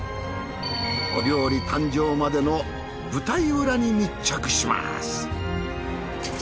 お料理誕生までの舞台裏に密着します。